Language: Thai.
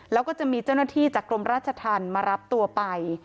แล้วก็จะมีเจ้าหน้าที่จากกรมราชธรรมมารับตัวไป